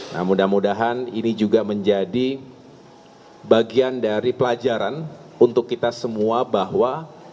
nah mudah mudahan ini juga menjadi bagian dari pelajaran untuk kita semua bahwa